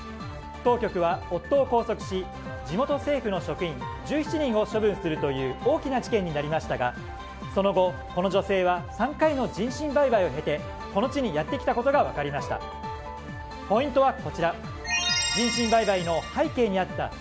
当局は夫を拘束し地元政府の職員１７人を処分するという大きな事件になりましたがその後、この女性は３回の人身売買を経てこの地にやってきたことが分かりました。